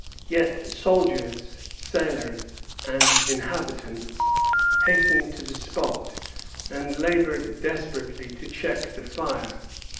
Yet soldiers, sailors, and inhabitants hastened to the spot, and labored desperately to check the fire.